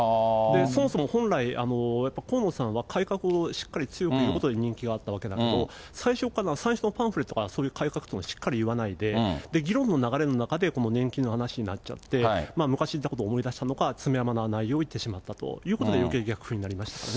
そもそも本来、やっぱり河野さんは改革をしっかり強く言うことで人気があったわけだけど、最初のパンフレットからそういう改革とかしっかり言わないで、議論の流れの中で年金の話になっちゃって、昔言ったことを思い出したのか、つまらない内容を言ってしまったと、逆風になりましたね。